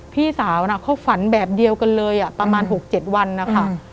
พี่สาวเขาฝันแบบเดียวกันเลยประมาณ๖๗วันนะคะ